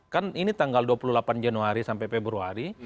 kan ini tanggal dua puluh delapan januari sampai februari